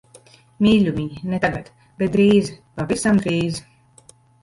Mīļumiņ, ne tagad. Bet drīz, pavisam drīz.